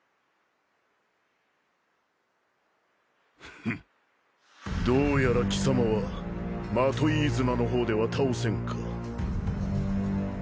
フッどうやら貴様は纏飯綱の方では倒せんか。